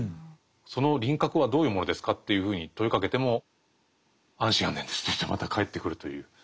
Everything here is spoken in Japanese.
「その輪郭はどういうものですか？」というふうに問いかけても「安心・安全です」といってまた返ってくるという。